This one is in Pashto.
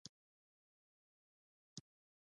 کتابچه د علم اساس دی